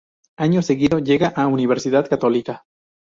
Año seguido llega a Universidad Católica.